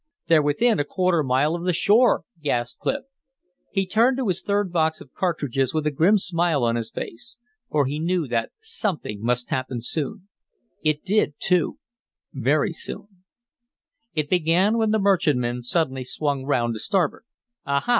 "They're within a quarter of a mile of the shore!" gasped Clif. He turned to his third box of cartridges with a grim smile on his face. For he knew that something must happen soon. It did, too very soon. It began when the merchantman suddenly swung round to starboard. "Aha!"